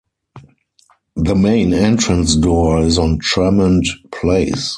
The main entrance door is on Tremont Place.